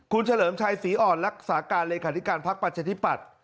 คุณเฉลิมชัยศรีอ่อนรักษาการเลขาธิการพักประชาธิปัตย์